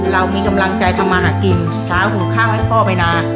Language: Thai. เรามีกำลังใจทำมาหากินเช้าหุงข้าวให้พ่อไปนาน